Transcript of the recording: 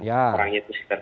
orang itu sekitar